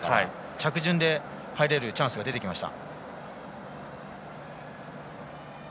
着順では入れるチャンスが上がりました。